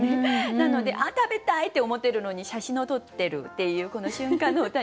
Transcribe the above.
なので「ああ食べたい」って思ってるのに写真を撮ってるっていうこの瞬間の歌にしてみました。